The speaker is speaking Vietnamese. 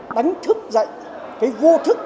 đánh thức dạy cái vô thức